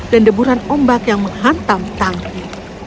dan deburan ombak yang menghantam tangki